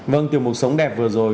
vâng tiểu mục sống đẹp vừa rồi